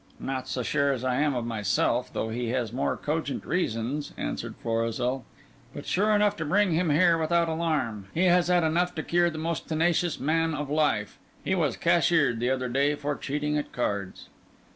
"Not so sure as I am of myself, though he has more cogent reasons," answered Florizel, "but sure enough to bring him here without alarm. He has had enough to cure the most tenacious man of life. He was cashiered the other day for cheating at cards."